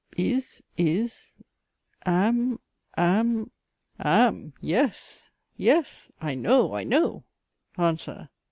is, is, am, am, am. Yes, yes I know, I know. ANSWER.